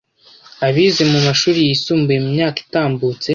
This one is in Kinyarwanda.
Abize mu mashuri yisumbuye mu myaka itambutse,